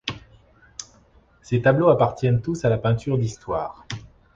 Ses tableaux appartiennent tous à la peinture d’Histoire.